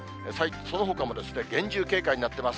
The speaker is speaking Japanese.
そのほかも厳重警戒になってます。